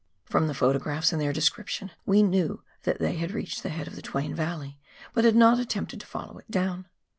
From photographs, and their description, we knew that they had reached the head of the Twain Yalley, but had not attempted to follow it down.